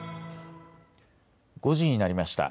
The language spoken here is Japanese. ５時になりました。